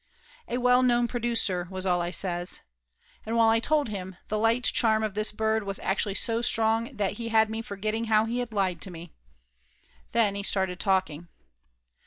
A well known producer was all I says. And while I told him, the light charm of this bird was actually so strong that he had me forgetting how he had lied to me! Then he started talking.